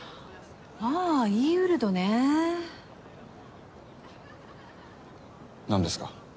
あぁｅーウルドね。何ですか？